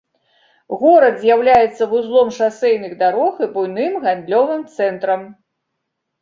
Горад з'яўляецца вузлом шасэйных дарог і буйным гандлёвым цэнтрам.